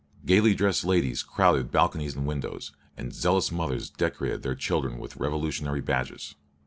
Gaily dressed ladies crowded balconies and windows, and zealous mothers decorated their children with revolutionary badges.